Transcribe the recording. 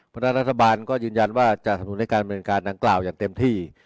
เพราะฉะนั้นรัฐบาลก็ยืนยันว่าจะสำนุนให้การบริเวณการดังกล่าวอย่างเต็มที่